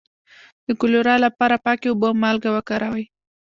د کولرا لپاره پاکې اوبه او مالګه وکاروئ